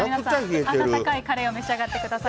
温かいカレーを召し上がってください。